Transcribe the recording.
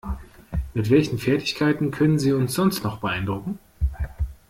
Mit welchen Fertigkeiten können Sie uns sonst noch beeindrucken?